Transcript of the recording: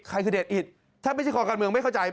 ใครคือเดชอิตถ้าไม่ใช่คอการเมืองไม่เข้าใจ